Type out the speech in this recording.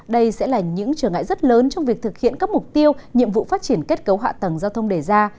đây sẽ là những trở ngại rất lớn trong việc thực hiện các mục tiêu nhiệm vụ phát triển kết cấu hạ tầng giao thông đề ra